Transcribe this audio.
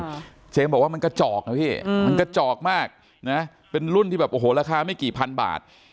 เอ๊ะเจมส์ที่บอกว่ามันกระจอกมันกระจอกมากเป็นรุ่นที่ราคาแบบไม่กี่พันบาท